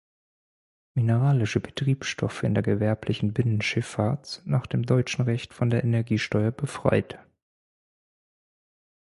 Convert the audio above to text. Mineralische Betriebsstoffe in der gewerblichen Binnenschifffahrt sind nach deutschem Recht von der Energiesteuer befreit.